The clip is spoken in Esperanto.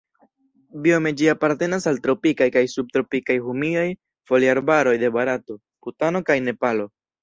Biome ĝi apartenas al tropikaj kaj subtropikaj humidaj foliarbaroj de Barato, Butano kaj Nepalo.